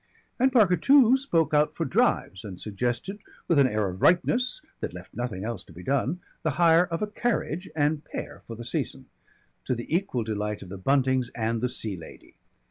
And Parker too spoke out for drives, and suggested with an air of rightness that left nothing else to be done, the hire of a carriage and pair for the season to the equal delight of the Buntings and the Sea Lady.